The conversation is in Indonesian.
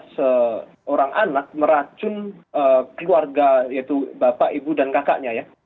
seorang anak meracun keluarga yaitu bapak ibu dan kakaknya ya